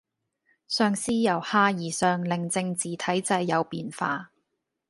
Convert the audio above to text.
嘗試由下而上令政治體制有變化